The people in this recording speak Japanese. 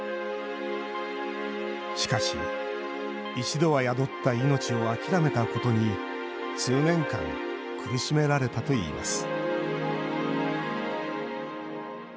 しかし、一度は宿った命を諦めたことに数年間苦しめられたといいます